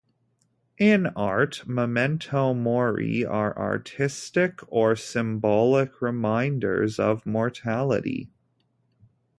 In art, "memento mori" are artistic or symbolic reminders of mortality.